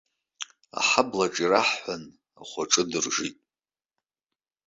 Аҳаблаҿы ираҳҳәан, ахәаҿы дыржит.